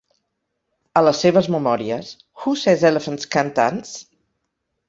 A les seves memòries: Who Says Elephants Can't Dance?